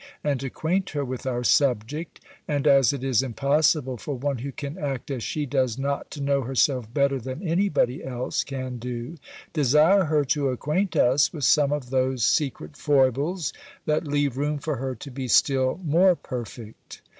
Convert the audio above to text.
and acquaint her with our subject; and as it is impossible, for one who can act as she does, not to know herself better than any body else can do, desire her to acquaint us with some of those secret foibles, that leave room for her to be still more perfect."